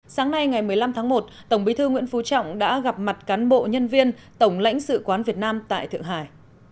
sáng nay ngày một mươi năm tháng một tổng bí thư nguyễn phú trọng đã gặp mặt cán bộ nhân viên tổng lãnh sự quán việt nam tại thượng hải